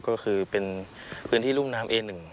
ก็คือเป็นพื้นที่รุ่นน้ำเอ๑